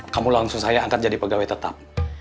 kamu langsung saya angkat jadi pegawai tetap